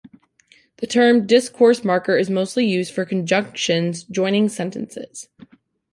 The term "discourse marker" is mostly used for conjunctions joining sentences.